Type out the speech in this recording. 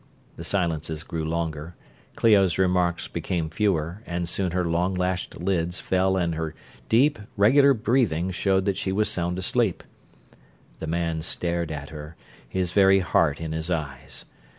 The silences grew longer, Clio's remarks became fewer, and soon her long lashed lids fell and her deep, regular breathing showed that she was sound asleep. The man stared at her, his very heart in his eyes.